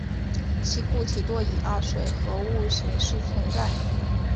其固体多以二水合物形式存在。